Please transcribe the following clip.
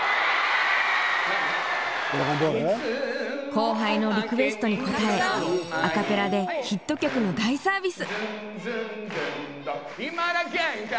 後輩のリクエストに応えアカペラでヒット曲の大サービス！